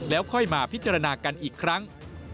แล้วค่อยมาพิจารณากันอีกครั้ง